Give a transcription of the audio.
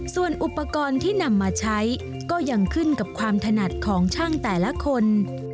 ส่วนอุปกรณ์ที่นำมาใช้ก็ยังขึ้นกับความถนัดของช่างแต่ละคน